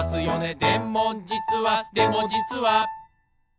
「でもじつはでもじつは」